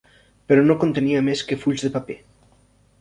Però no contenia més que fulls de paper.